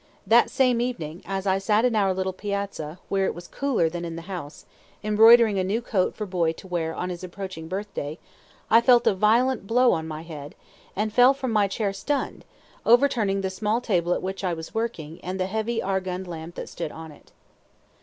That same evening, as I sat in our little piazza, where it was cooler than in the house, embroidering a new coat for Boy to wear on his approaching birthday, I felt a violent blow on my head, and fell from my chair stunned, overturning the small table at which I was working, and the heavy Argand lamp that stood on it.